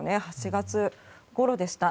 ８月ごろでした。